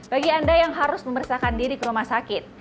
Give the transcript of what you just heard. bagi anda yang harus memeriksakan diri ke rumah sakit